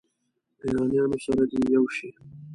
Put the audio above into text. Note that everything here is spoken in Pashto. له ایرانیانو سره دې یو شي.